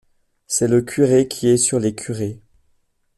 C’est le curé qui est sur les curés.